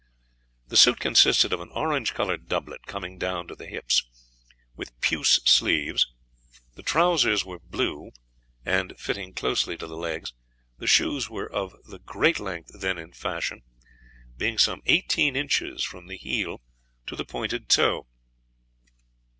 The suit consisted of an orange coloured doublet coming down to the hips, with puce sleeves; the trousers were blue, and fitting closely to the legs; the shoes were of the great length then in fashion, being some eighteen inches from the heel to the pointed toe.